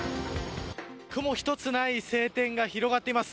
雲一つない晴天が広がっています。